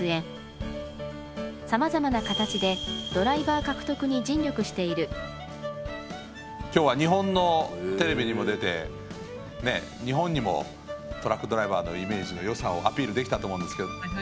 さまざまな形で今日は日本のテレビにも出て日本にもトラックドライバーのイメージのよさをアピールできたと思うんですけど。